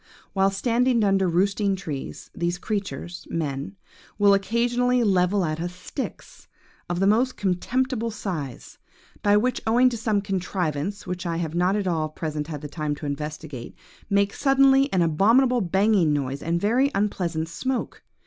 While standing under our roosting trees, these creatures, men, will occasionally level at us sticks, of the most contemptible size, but which, owing to some contrivance which I have not at present had the time to investigate, make suddenly an abominable banging noise and a very unpleasant smoke.